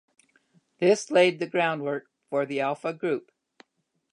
This laid the groundwork for the Alpha Group.